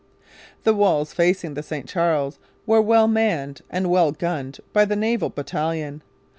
The walls facing the St Charles were well manned and well gunned by the naval battalion.